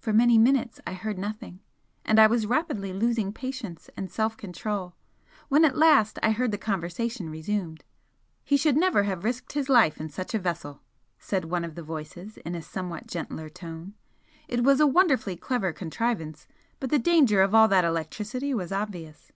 For many minutes I heard nothing and I was rapidly losing patience and self control, when at last I heard the conversation resumed, "He should never have risked his life in such a vessel" said one of the voices in a somewhat gentler tone "It was a wonderfully clever contrivance, but the danger of all that electricity was obvious.